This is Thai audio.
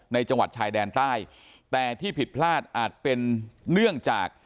จังหวัดชายแดนใต้แต่ที่ผิดพลาดอาจเป็นเนื่องจาก